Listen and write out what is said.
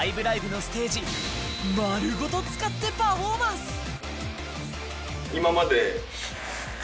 ライブ！」のステージ丸ごと使ってパフォーマンス